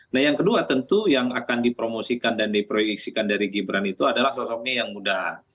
nah yang kedua tentu yang akan dipromosikan dan diproyeksikan dari gibran itu adalah sosoknya yang muda